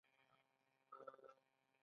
د پیسو ناوړه مدیریت تاوان جوړوي.